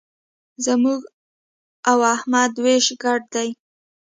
زموږ او احمد وېش ګډ دی.